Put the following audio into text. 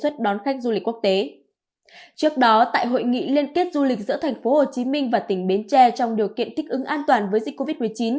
trước đó tại hội nghị liên kết du lịch giữa thành phố hồ chí minh và tỉnh bến tre trong điều kiện thích ứng an toàn với dịch covid một mươi chín